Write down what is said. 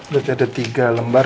berarti ada tiga lembar